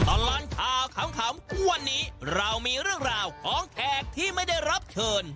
ตลอดข่าวขำวันนี้เรามีเรื่องราวของแขกที่ไม่ได้รับเชิญ